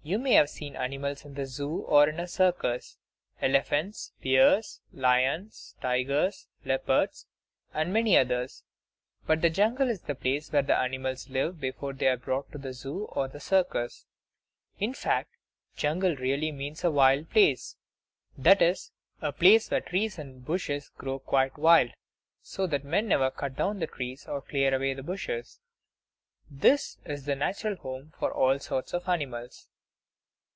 You have seen many animals in the zoo or in a circus elephants, bears, lions, tigers, leopards, and many others. But the jungle is the place where these animals live before they are brought to the zoo or the circus. In fact, jungle really means a wild place; that is, a place where trees and bushes grow quite wild, so that men never cut down the trees or clear away the bushes. That is the natural home for all sorts of animals.